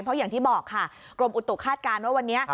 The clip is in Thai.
เพราะอย่างที่บอกค่ะกรมอุตุคาดการณ์ว่าวันนี้